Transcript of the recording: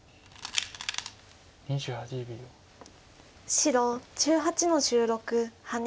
白１８の十六ハネ。